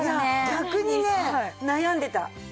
逆にね悩んでた。